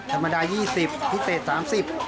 ธรรมดา๒๐บาทพิเศษ๓๐บาท